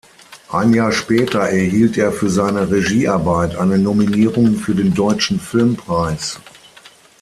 Ein Jahr später erhielt er für seine Regiearbeit eine Nominierung für den Deutschen Filmpreis.